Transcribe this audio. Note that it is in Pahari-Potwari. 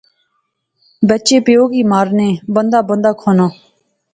بچے پیو کی مارنے۔۔۔ بندہ بندہ کھانا